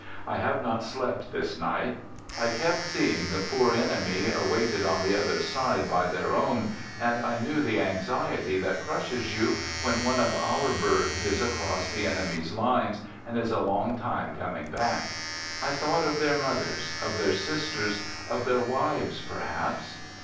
I have not slept this night. I kept seeing the poor enemy awaited on the other side by their own, and I knew the anxiety that crushes you when one of our "birds" is across the enemy's lines and is a long time coming back. I thought of their moth ers, of their sisters, of their wives perhaps.